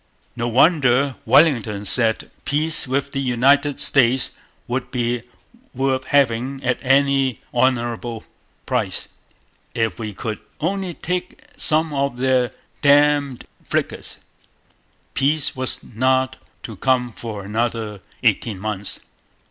No wonder Wellington said peace with the United States would be worth having at any honourable price, 'if we could only take some of their damned frigates!' Peace was not to come for another eighteen months.